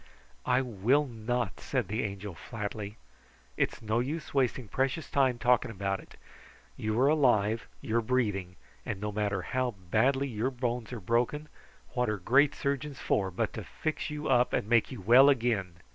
"I will not," said the Angel flatly. "It's no use wasting precious time talking about it. You are alive. You are breathing; and no matter how badly your bones are broken, what are great surgeons for but to fix you up and make you well again?